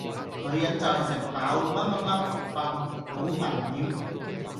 女人就系食飽、乜乜乜、瞓!好危險!